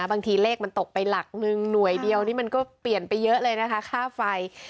บางทีเลขมันตกไปหลักนึงหน่วยเดียวนี่มันก็เปลี่ยนไปเยอะเลยนะคะค่าไฟ